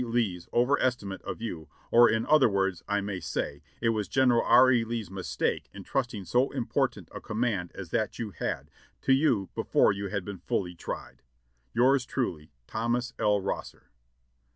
Lee's over estimate of you, or in other words I may say, it was General R. E. Lee's mistake in trusting so important a command as that you had, to you before you had been fully tried. "Yours truly, Thomas L. Rosser."